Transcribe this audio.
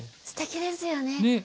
すてきですよね。